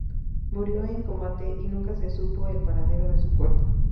Murió en combate y nunca se supo el paradero su cuerpo.